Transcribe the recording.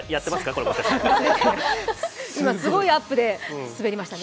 これ私今、すごいアップでスベりましたね。